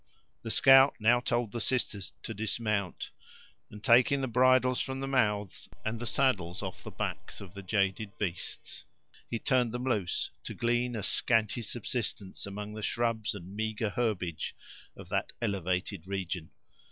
The scout now told the sisters to dismount; and taking the bridles from the mouths, and the saddles off the backs of the jaded beasts, he turned them loose, to glean a scanty subsistence among the shrubs and meager herbage of that elevated region.